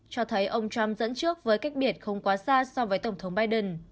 cho thấy ông trump dẫn trước với cách biệt không quá xa so với tổng thống biden